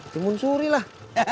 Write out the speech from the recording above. timun suri lah